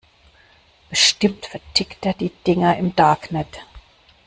Bestimmt vertickt er die Dinger im Darknet.